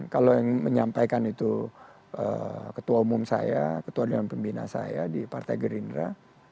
kalau yang menyampaikan itu ketua umum saya ketua dewan pembina saya di partai gerindra